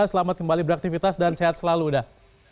selamat kembali beraktivitas dan sehat selalu udah